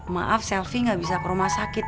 maaf selfie gak bisa ke rumah sakit